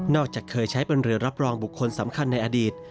จากเคยใช้เป็นเรือรับรองบุคคลสำคัญในอดีต